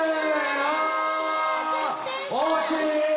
あ惜しい！